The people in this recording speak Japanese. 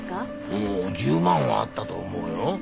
うん１０万はあったと思うよ。